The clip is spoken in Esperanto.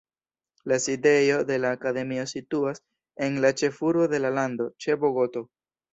La sidejo de la akademio situas en la ĉefurbo de la lando, ĉe Bogoto.